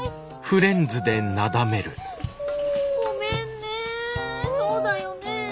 ごめんねそうだよねえ。